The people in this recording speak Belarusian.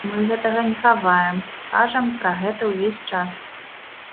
Мы гэтага не хаваем, кажам пра гэта ўвесь час.